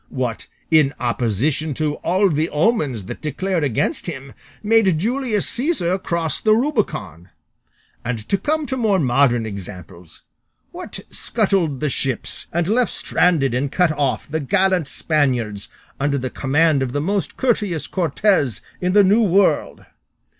What, in opposition to all the omens that declared against him, made Julius Caesar cross the Rubicon? And to come to more modern examples, what scuttled the ships, and left stranded and cut off the gallant Spaniards under the command of the most courteous Cortes in the New World?